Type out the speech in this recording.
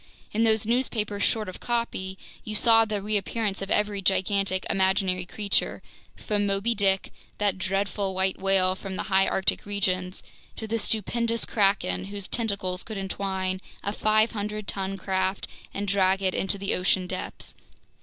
In those newspapers short of copy, you saw the reappearance of every gigantic imaginary creature, from "Moby Dick," that dreadful white whale from the High Arctic regions, to the stupendous kraken whose tentacles could entwine a 500 ton craft and drag it into the ocean depths.